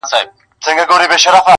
خپل پر ټولو فیصلو دستي پښېمان سو,